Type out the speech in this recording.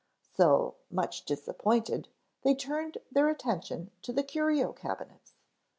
So, much disappointed, they turned their attention to the curio cabinets.